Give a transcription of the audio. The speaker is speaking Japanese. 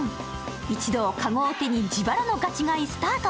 一同、籠を手に自腹の爆買いスタート。